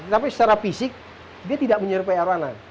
tapi secara fisik dia tidak menyerupai arowana